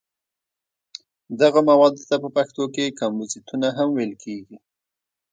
دغه موادو ته په پښتو کې کمپوزیتونه هم ویل کېږي.